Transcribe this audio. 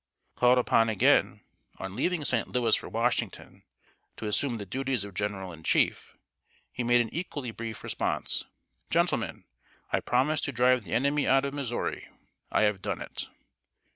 Called upon again, on leaving St. Louis for Washington, to assume the duties of general in chief, he made an equally brief response: "Gentlemen: I promised to drive the enemy out of Missouri; I have done it!"